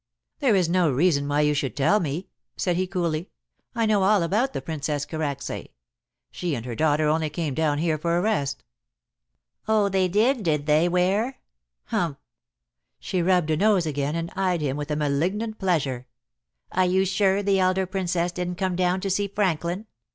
"There is no reason why you should tell me," said he coolly. "I know all about the Princess Karacsay. She and her daughter only came down here for a rest." "Oh, they did, did they, Ware? Humph!" She rubbed her nose again, and eyed him with a malignant pleasure. "Are you sure the elder Princess didn't come down to see Franklin?"